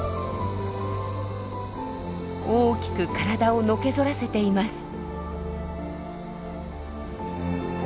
大きく体をのけぞらせています。